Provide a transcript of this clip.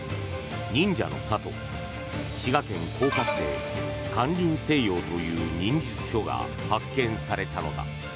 忍者の里、滋賀県甲賀市で「間林清陽」という忍術書が発見されたのだ。